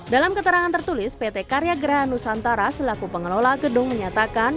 dalam keterangan tertulis pt karya geraha nusantara selaku pengelola gedung menyatakan